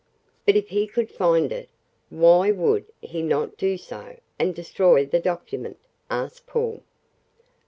"But if he could find it, why would he not do so, and destroy the document?" asked Paul.